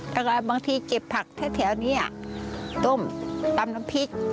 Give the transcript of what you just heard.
แล้วก็บางทีเก็บผักแถวนี้ต้มตำน้ำพริก